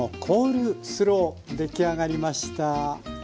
出来上がりました。